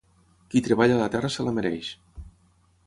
Qui treballa la terra se la mereix.